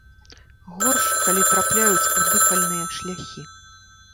Горш, калі трапляюць у дыхальныя шляхі.